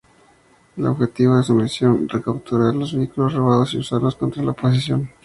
El objetivo de su misión: Recapturar los vehículos robados y usarlos contra la oposición.